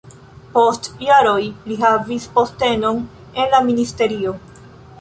Post jaroj li havis postenon en la ministerio.